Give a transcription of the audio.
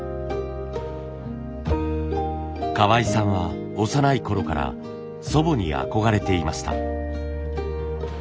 河合さんは幼いころから祖母に憧れていました。